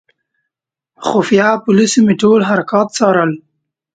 خفیه پولیسو مې ټول حرکات څارل.